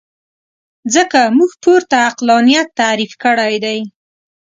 ځکه موږ پورته عقلانیت تعریف کړی دی.